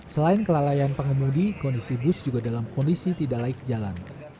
selain kelalaian pengemudi kondisi bus juga dalam kondisi tidak laik jalan